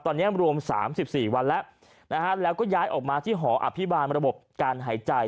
ตอนนี้รวม๓๔วันแล้วนะฮะแล้วก็ย้ายออกมาที่หออภิบาลระบบการหายใจ